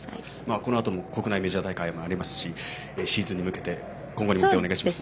このあとも国内メジャー大会もありますしシーズンに向けて今後に向けてお願いします。